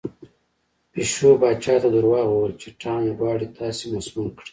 پیشو پاچا ته دروغ وویل چې ټام غواړي تاسې مسموم کړي.